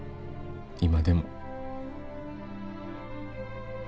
今でも。